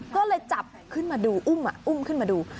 ก็เลยจับขึ้นมาดูอุ้มอุ้มขึ้นมาดู